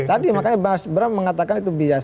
tadi makanya bas bram mengatakan itu bias